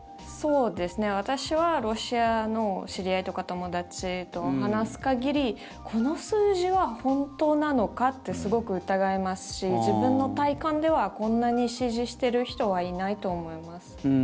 私は、ロシアの知り合いとか友達と話す限りこの数字は本当なのかってすごく疑いますし自分の体感ではこんなに支持してる人はいないと思います。